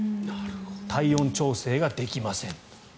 体温調整ができません。